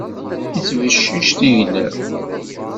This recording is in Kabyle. Ittbeccic tignaw.